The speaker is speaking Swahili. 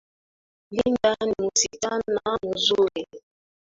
Linda ni msichana mzuri.